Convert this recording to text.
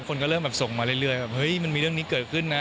คนก็เริ่มแบบส่งมาเรื่อยแบบเฮ้ยมันมีเรื่องนี้เกิดขึ้นนะ